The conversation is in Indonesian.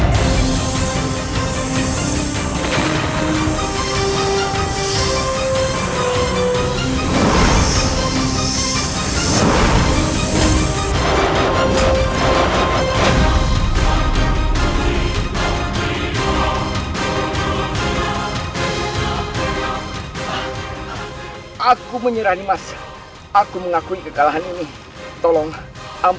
kalian telah berhasil menemukannya